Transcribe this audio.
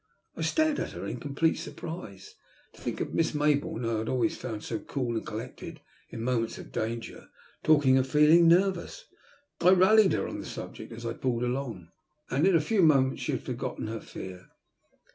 I stared at her in complete surprise. To think of Miss Maybourne, whom I had always found so cool and collected in moments of danger, talking of feeling nervous! I rallied her on the subject as I pulled along, and in a few moments she had forgotten her fear.